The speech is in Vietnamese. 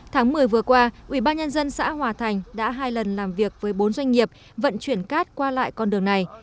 tháng một mươi vừa qua ubnd xã hòa thành đã hai lần làm việc với bốn doanh nghiệp vận chuyển cát qua lại con đường này